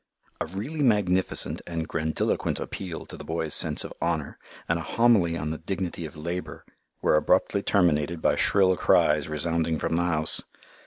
A really magnificent and grandiloquent appeal to the boy's sense of honour and a homily on the dignity of labour were abruptly terminated by shrill cries resounding from the house.